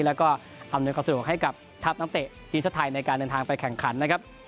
แล้วก็อำนวยความสะดวกให้กับทัพนักเตะทีมชาติไทยในการเดินทางไปแข่งขันนะครับ